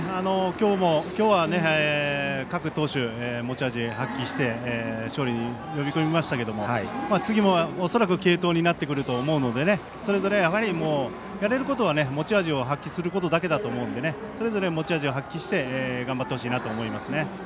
今日は、各投手が持ち味を発揮して勝利を呼び込みましたけども次も恐らく継投になってくると思うのでそれぞれ、やれることは持ち味を発揮することなのでそれぞれ持ち味を発揮して頑張ってほしいと思いますね。